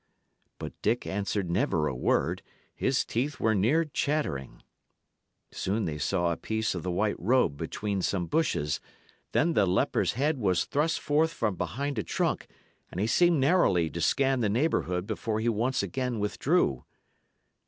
But Dick answered never a word; his teeth were near chattering. Soon they saw a piece of the white robe between some bushes; then the leper's head was thrust forth from behind a trunk, and he seemed narrowly to scan the neighbourhood before he once again withdrew.